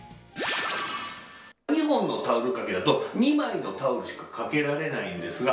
２本のタオルかけだと２枚のタオルしかかけられないんですが。